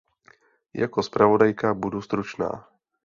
Jako zpravodajka budu stručná.